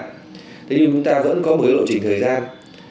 thế nhưng chúng ta vẫn có mối lộ chỉnh thời gian